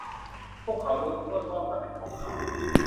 พวกเขาล้วนพูดว่ามันเป็นของเขา